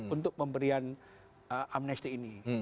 untuk memberikan amnesti ini